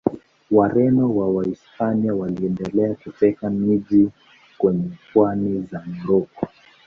Wareno wa Wahispania waliendelea kuteka miji kwenye pwani za Moroko.